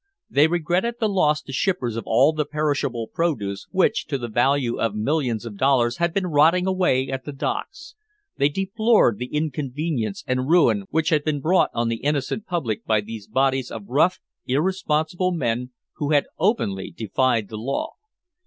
They regretted the loss to shippers of all the perishable produce which to the value of millions of dollars had been rotting away at the docks. They deplored the inconvenience and ruin which had been brought on the innocent public by these bodies of rough, irresponsible men who had openly defied the law.